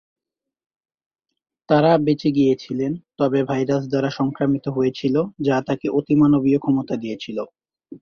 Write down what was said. তারা বেঁচে গিয়েছিলেন, তবে ভাইরাস দ্বারা সংক্রামিত হয়েছিল, যা তাকে অতিমানবীয় ক্ষমতা দিয়েছিল।